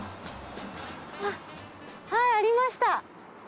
あっありました！